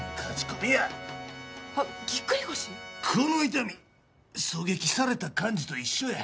この痛み狙撃された感じと一緒や。